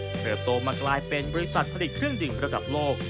เติบโตมากลายเป็นบริษัทผลิตเครื่องดิ่งระดับโลก